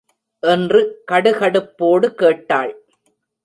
என்று கடுகடுப்போடு கேட்டாள்.